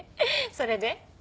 それで？